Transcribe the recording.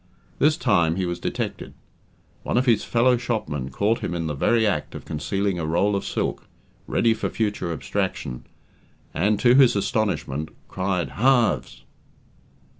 This time he was detected. One of his fellow shopmen caught him in the very act of concealing a roll of silk, ready for future abstraction, and, to his astonishment, cried "Halves!"